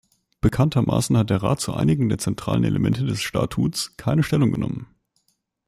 Bekanntermaßen hat der Rat zu einigen der zentralen Elemente des Statuts keine Stellung genommen.